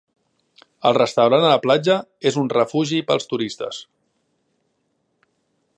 El restaurant a la platja és un refugi pels turistes.